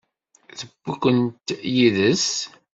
Tewwi-kent yid-s?